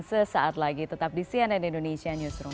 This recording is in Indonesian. sesaat lagi tetap di cnn indonesia newsroom